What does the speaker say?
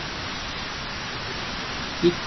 It is now without parliamentary representation.